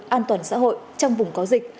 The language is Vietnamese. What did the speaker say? an toàn xã hội trong vùng có dịch